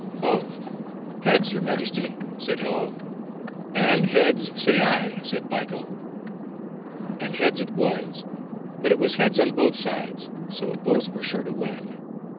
"Oh, heads, your majesty," said Hello. "And heads say I," said Piko. And heads it was. But it was heads on both sides, so both were sure to win.